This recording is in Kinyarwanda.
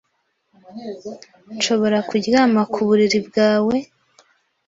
Nshobora kuryama ku buriri bwawe?